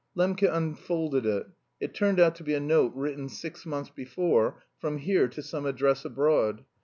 Lembke unfolded it; it turned out to be a note written six months before from here to some address abroad.